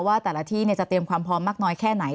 ว่าแต่ละที่จะเตรียมความพร้อมมากน้อยแค่ไหน